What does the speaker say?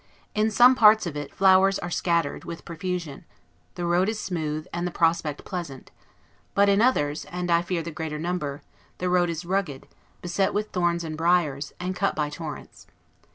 In some parts of it, flowers are scattered, with profusion, the road is smooth, and the prospect pleasant: but in others (and I fear the greater number) the road is rugged, beset with thorns and briars, and cut by torrents.